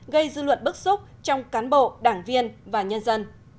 gây dư luận bức xúc trong cán bộ đảng viên và nhân dân